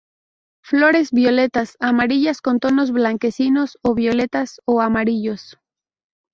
Flores violetas, amarillas, con tonos blanquecinos o violetas o amarillos.